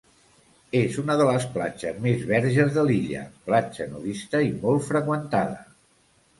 És una de les platges més verges de l'illa, platja nudista i molt freqüentada.